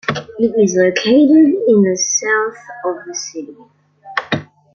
It is located in the south of the city.